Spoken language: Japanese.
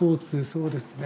そうですね。